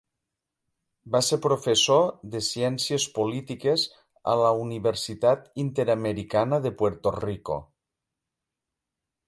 Va ser professor de Ciències Polítiques a la Universitat Interamericana de Puerto Rico.